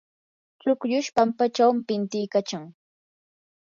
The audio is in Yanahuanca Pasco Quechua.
chukllush pampachaw pintiykachan.